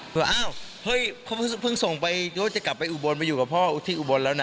ว่าอ้าวเฮ้ยเขาเพิ่งส่งไปเดี๋ยวจะกลับไปอุบรณ์ไปอยู่กับพ่อที่อุบรณ์แล้วน่ะ